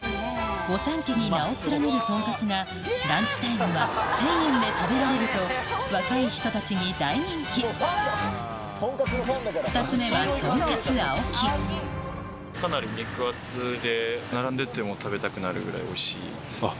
御三家に名を連ねるとんかつがランチタイムは１０００円で食べられると若い人たちに大人気二つ目はぐらいおいしいです。